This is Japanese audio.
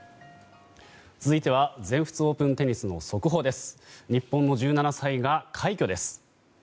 続いては全仏オープンテニスの速報です。